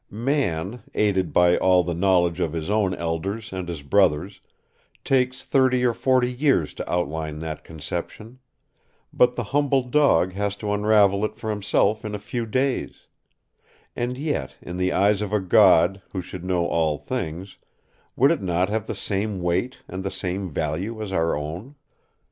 Man, aided by all the knowledge of his own elders and his brothers, takes thirty or forty years to outline that conception, but the humble dog has to unravel it for himself in a few days: and yet, in the eyes of a god, who should know all things, would it not have the same weight and the same value as our own?